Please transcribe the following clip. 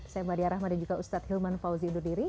saya mbak diara rahman dan juga ustadz hilman fauzi undur diri